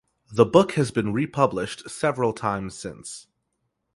The book has been republished several times since.